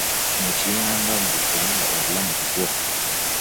Kino kiyamba ggwe kuba obulamu bubwo.